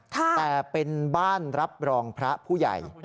แต่เป็นบ้านรับรองพระผู้ใหญ่